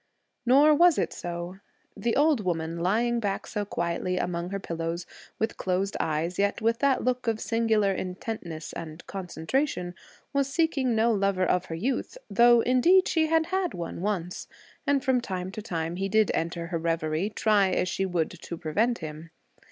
Nor was it so. The old woman, lying back so quietly among her pillows, with closed eyes, yet with that look of singular intentness and concentration, was seeking no lover of her youth; though, indeed, she had had one once, and from time to time he did enter her revery, try as she would to prevent him.